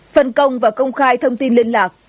phần công và công khai thông tin liên lạc